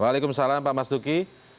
waalaikumsalam pak mas duki